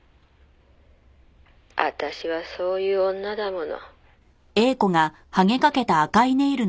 「私はそういう女だもの」